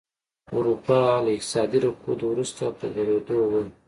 اروپا له اقتصادي رکود وروسته په غوړېدو وه.